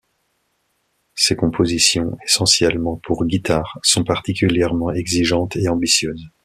Ses compositions, essentiellement pour guitare, sont particulièrement exigeantes et ambitieuses.